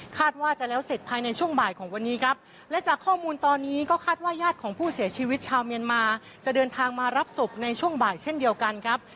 ว่าจะแล้วเสร็จภายในช่วงบ่ายของวันนี้ครับและจากข้อมูลตอนนี้ก็คาดว่าญาติของผู้เสียชีวิตชาวเมียนมาจะเดินทางมารับศพในช่วงบ่ายเช่นเดียวกันครับ